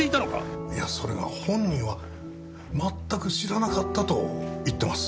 いやそれが本人は全く知らなかったと言ってます。